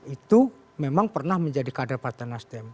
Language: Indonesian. itu memang pernah menjadi kader partai nasdem